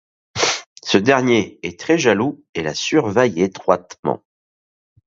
Ce dernier est très jaloux et la surveille étroitement.